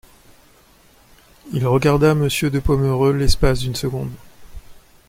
Il regarda Monsieur de Pomereux l'espace d'une seconde.